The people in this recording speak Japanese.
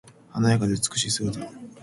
華やかで美しい姿。